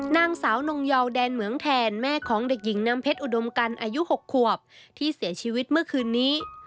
นางสาวนงเยาแดนเหมืองแทนแม่ของเด็กหญิงน้ำเพชรอุดมกันอายุ๖ขวบที่เสียชีวิตเมื่อคืนนี้